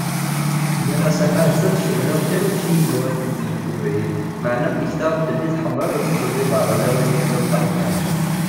Nniɣ-as ahat ad tcedhiḍ kan učči-ynu akem-d-yefk ubrid maɛna mmektaɣ-d belli tḥemleḍ ad teččeḍ deg berra lawan i telliḍ d taxeddamt.